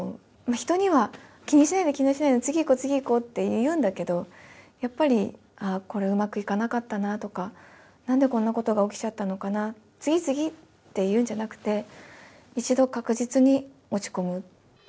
人には気にしないで、気にしないで、次行こう、次行こうって言うんだけど、やっぱり、ああ、これうまくいかなかったなとか、なんでこんなことが起きちゃったのかな、次、次って言うんじゃなくて、一度確実に落ち込む。